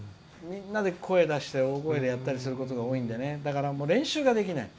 みんなで声出して大声でやったりすることが多いんでだから、練習ができない。